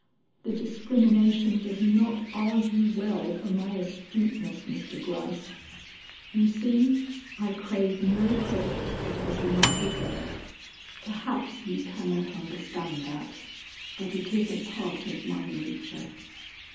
The discrimination does not argue well for my astuteness, Mr. Gryce. You see, I crave no credit that I do not deserve. Perhaps you cannot understand that, but it is a part of my nature."